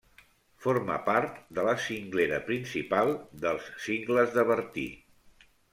Forma part de la cinglera principal dels Cingles de Bertí.